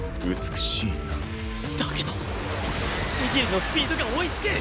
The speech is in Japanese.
だけど千切のスピードが追いつく！